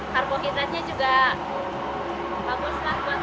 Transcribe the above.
karbohidratnya juga bagus